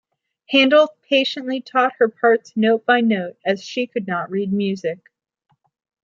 Handel patiently taught her parts note by note as she could not read music.